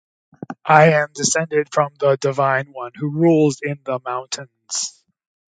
I am descended from the divine one who rules in the mountains.